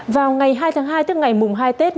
vào ngày hai tháng hai tức ngày mùng hai tết